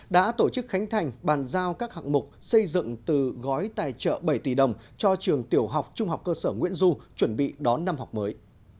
đã tổ chức khánh thành bàn giao các hạng mục xây dựng từ gói tài trợ bảy tỷ đồng cho trường tiểu học trung học cơ sở nguyễn du chuẩn bị đón năm học mới